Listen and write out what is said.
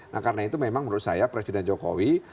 nah karena itu memang menurut saya presiden jokowi